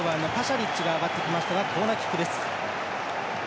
リッチが上がってきましたがコーナーキックです。